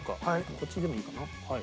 こっちでもいいかなはい。